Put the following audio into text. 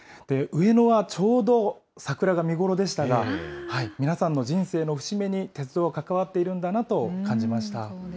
上野はちょうど、桜が見頃でしたが、皆さんの人生の節目に鉄道が関わっているんだなと感じました。